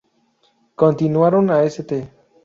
Continuaron a St.